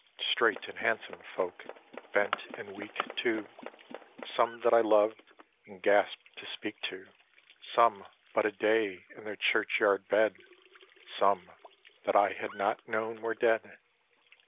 Straight and handsome folk, bent and weak, too ; Some that I loved, and gasp'd to speak to; Some but a day in theii churchyard bed; Some that I had not known were dead.